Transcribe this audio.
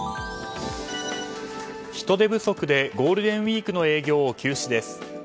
人手不足でゴールデンウィークの営業を休止です。